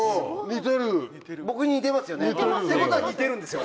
似てる。ってことは似てるんですよ。